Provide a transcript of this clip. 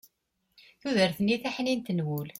tudert-nni taḥnint n wul